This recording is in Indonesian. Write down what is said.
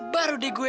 baru deh gue